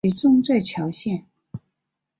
其冢在谯县。